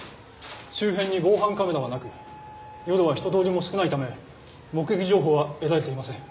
周辺に防犯カメラはなく夜は人通りも少ないため目撃情報は得られていません。